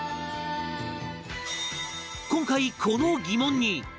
今回この疑問に